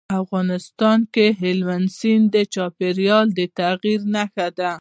افغانستان کې هلمند سیند د چاپېریال د تغیر نښه ده.